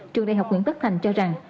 trường đại học nguyễn tất thành cho rằng